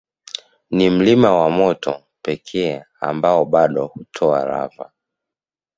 Ni mlima wa moto pekee ambao bado hutoa lava